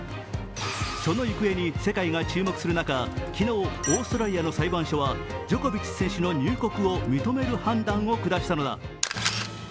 その行方に世界が注目する中、昨日オーストラリアの裁判所は、ジョコビッチ選手の入国を認める判断を下したのだ。